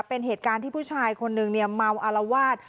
เป็นเหตุการณ์ที่ผู้ชายคนนึงเนี่ยเมาอารวาส